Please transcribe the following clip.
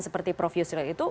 seperti prof yusril itu